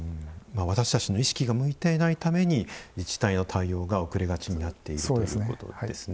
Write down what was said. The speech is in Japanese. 私たちの意識が向いていないために自治体の対応が遅れがちになっているということですね。